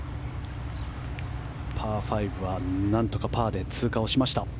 パー５はなんとかパーで通過をしました。